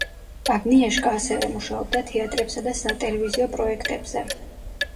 აგნიეჟკა ასევე მუშაობდა თეატრებსა და სატელევიზიო პროექტებზე.